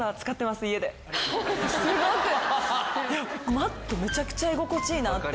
マットめちゃくちゃ居心地いいなって。